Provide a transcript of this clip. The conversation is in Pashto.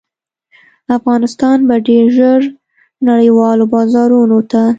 افغانستان به ډیر ژر نړیوالو بازارونو ته